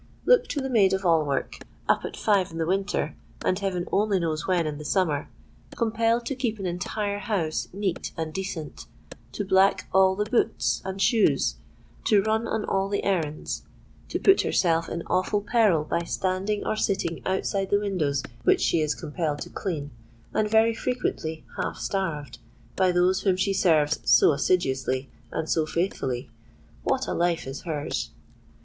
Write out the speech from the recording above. Look to the maid of all work—up at five in the winter, and heaven only knows when in the summer,—compelled to keep an entire house neat and decent—to black all the boots and shoes—to run on all the errands—to put herself in awful peril by standing or sitting outside the windows which she is compelled to clean—and very frequently half starved by those whom she serves so assiduously and so faithfully,—what a life is hers!